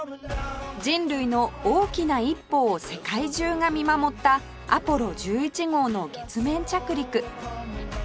人類の大きな一歩を世界中が見守ったアポロ１１号の月面着陸